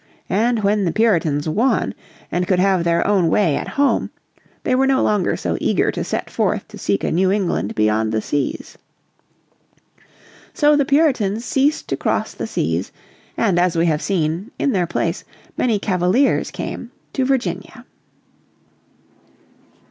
And when the Puritans won, and could have their own way at home, they were no longer so eager to set forth to seek a New England beyond the seas. So the Puritans ceased to cross the seas, and as we have seen, in their place many Cavaliers came to Virginia.